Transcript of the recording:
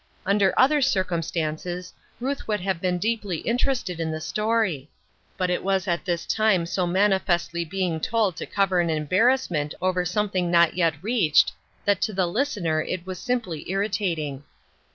Under other circumstances, Ruth would have been deeply interested in the story ; but it was at this time so manifestly being told to cover an embarrassment over something not yet reached, that to the listener it was simply irritating.